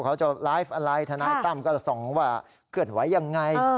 เขาจะไลฟ์อะไรทนายตั้มก็ส่องว่าเกิดไว้อย่างไร